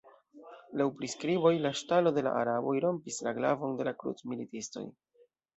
Laŭ priskriboj, la ŝtalo de la araboj rompis la glavon de la krucmilitistoj.